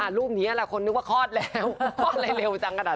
รูปนี้หลายคนนึกว่าคลอดแล้วคลอดอะไรเร็วจังขนาด